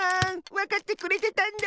わかってくれてたんだ！